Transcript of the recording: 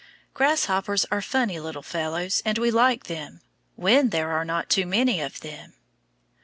Grasshoppers are funny little fellows, and we like them when there are not too many of them.